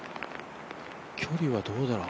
距離はどうだろう？